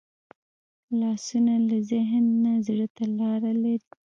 لاسونه له ذهن نه زړه ته لاره لري